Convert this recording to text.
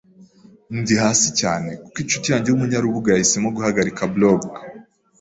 Ndi hasi cyane kuko inshuti yanjye yumunyarubuga yahisemo guhagarika blog.